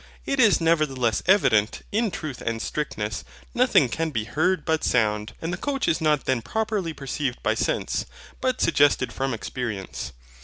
It is nevertheless evident that, in truth and strictness, nothing can be HEARD BUT SOUND; and the coach is not then properly perceived by sense, but suggested from experience.